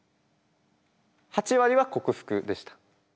８割は克服でした。